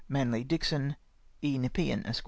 Manley Dixon. " E. Nepean, Esq."